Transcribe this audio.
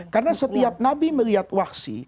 karena setiap nabi melihat wahsy